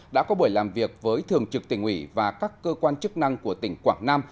đã có buổi làm việc với thường trực tỉnh ủy và các cơ quan chức năng của tỉnh quảng nam